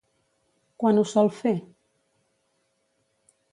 Quan ho sol fer?